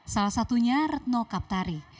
salah satunya retno kaptari